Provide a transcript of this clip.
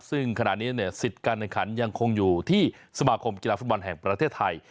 ซึ่งขณะนี้สิทธิ์การแข่งขันยังคงอยู่ที่สมาคมกีฬาฟุตบอลแห่งประเทศไทย